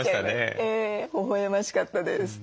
ええほほえましかったです。